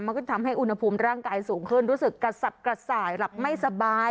มันก็ทำให้อุณหภูมิร่างกายสูงขึ้นรู้สึกกระสับกระส่ายหลับไม่สบาย